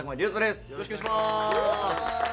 よろしくお願いします。